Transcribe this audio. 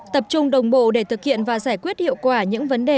tập trung đồng bộ để thực hiện và giải quyết hiệu quả những vấn đề